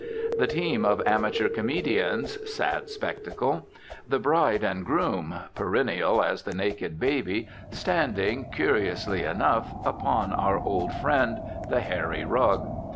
The team of amateur comedians (sad spectacle!). The bride and groom (perennial as the naked baby) standing, curiously enough, upon our old friend, the hairy rug.